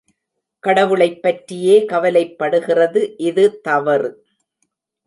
கடவுளைப் பற்றியே கவலைப்படுகிறது இது தவறு.